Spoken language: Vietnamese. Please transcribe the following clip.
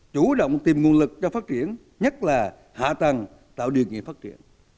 chủ động tìm nguồn lực cho phát triển nhất là hạ tầng tạo điều kiện phát triển